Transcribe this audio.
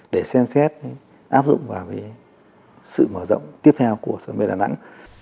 để xem xét áp dụng vào sự mở rộng tiếp theo của sân bay đà nẵng